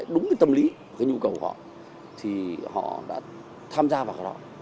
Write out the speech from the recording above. đúng tầm lý nhu cầu họ thì họ đã tham gia vào đó